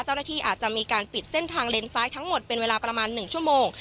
อาจจะมีการปิดเส้นทางเลนซ้ายทั้งหมดเป็นเวลาประมาณ๑ชั่วโมง